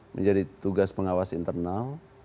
menjadi tugas pengawas internal